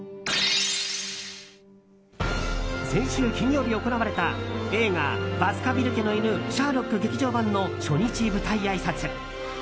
先週金曜日行われた映画「バスカヴィル家の犬シャーロック劇場版」の初日舞台あいさつ。